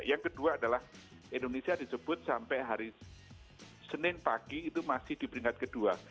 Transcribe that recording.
yang kedua adalah indonesia disebut sampai hari senin pagi itu masih di peringkat kedua